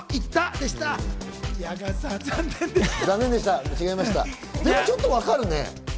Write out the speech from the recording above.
でもちょっとわかるね。